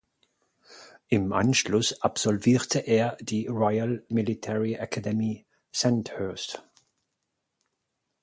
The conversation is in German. Im Anschluss absolvierte er die Royal Military Academy Sandhurst.